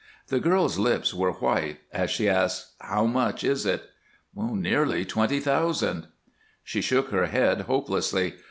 The girl's lips were white as she asked, "How much is it?" "Nearly twenty thousand." She shook her head hopelessly.